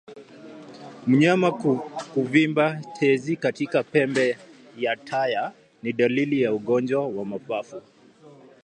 Mnyama kuvimba tezi katika pembe ya taya ni dalili ya ugonjwa wa mapafu